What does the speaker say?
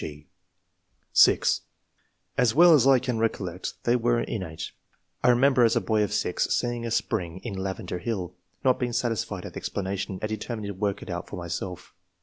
9) (6) " As weU as I can recollect, they were in nate. I remember, as a boy of 6, seeing a spring in Lavender Hill; not being satisfied at the explanation, and determining to work it out for myself.